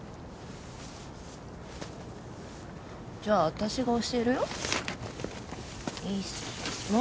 じゃあ私が教えるよ。